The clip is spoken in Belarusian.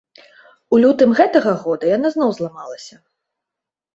У лютым гэтага года яна зноў зламалася.